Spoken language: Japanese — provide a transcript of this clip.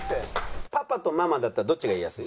「パパとママだったらどっちが言いやすい？」。